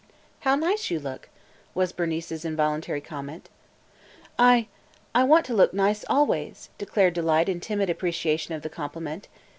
"How nice you look!" was Bernice's involuntary comment. "I – I want to look nice – always!" declared Delight in timid appreciation of the compliment.